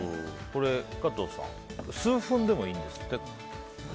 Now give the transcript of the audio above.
加藤さん数分でもいいんですって。